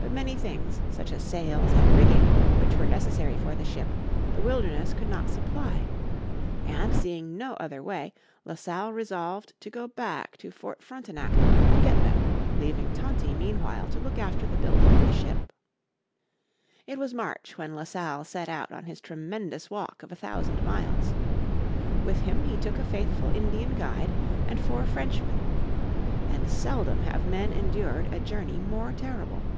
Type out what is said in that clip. But many things, such as sails and rigging, which were necessary for the ship, the wilderness could not supply. And, seeing no other way, La Salle resolved to go back to Fort Frontenac to get them, leaving Tonty meanwhile to look after the building of the ship. It was March when La Salle set out on his tremendous walk of a thousand miles. With him he took a faithful Indians guide and four Frenchmen. And seldom have men endured a journey more terrible.